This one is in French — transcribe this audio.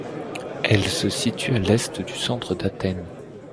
Elle se situe à à l'est du centre d'Athènes.